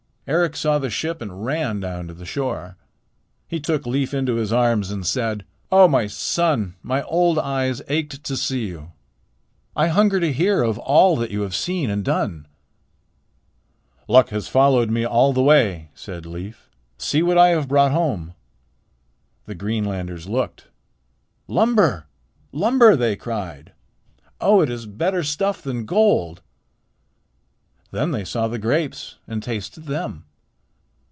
Eric saw the ship and ran down to the shore. He took Leif into his arms and said: "Oh, my son, my old eyes ached to see you. I hunger to hear of all that you have seen and done." "Luck has followed me all the way," said Leif. "See what I have brought home." The Greenlanders looked. "Lumber! lumber!" they cried. "Oh! it is better stuff than gold." Then they saw the grapes and tasted them.